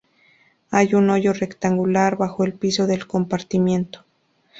Hay un hoyo rectangular, bajo el piso del compartimiento.